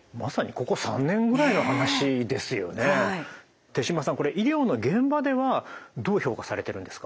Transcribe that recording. これ医療の現場ではどう評価されているんですか？